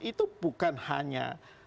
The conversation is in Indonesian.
itu bukan hanya